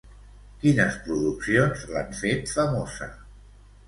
Quines produccions l'han feta famosa?